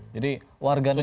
jadi warga negara